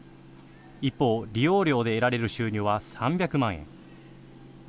一方、利用料で得られる収入は３００万円。